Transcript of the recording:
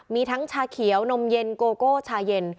มีทั้งชาเขียวนมเย็นโกโก้ชาเย็น